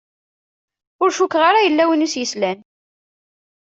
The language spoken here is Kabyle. Ur cukkeɣ ara yella win i s-yeslan.